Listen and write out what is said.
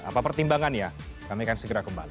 apa pertimbangan ya kami akan segera kembali